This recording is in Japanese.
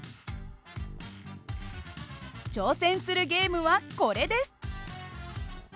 挑戦するゲームはこれです！